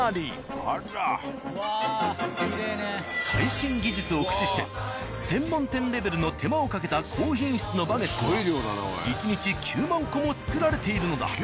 最新技術を駆使して専門店レベルの手間をかけた高品質のバゲットが１日９万個も作られているのだ。